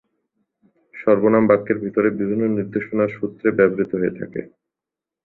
সর্বনাম বাক্যের ভিতরে বিভিন্ন নির্দেশনার সূত্রে ব্যবহৃত হয়ে থাকে।